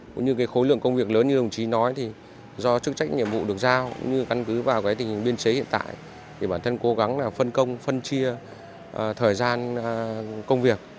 cũng như khối lượng công việc lớn như đồng chí nói thì do chức trách nhiệm vụ được giao như căn cứ vào tình hình biên chế hiện tại thì bản thân cố gắng là phân công phân chia thời gian công việc